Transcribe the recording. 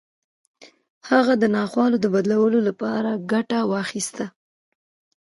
هغه د ناخوالو د بدلولو لپاره ګټه واخيسته.